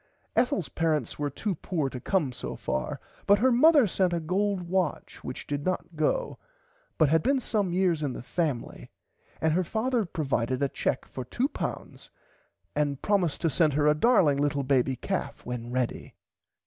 Ethels parents were too poor to come so far but her Mother sent her a gold watch which did not go but had been some years in the family and her father provided a cheque for £2 and promised to send her a darling little baby calf when ready.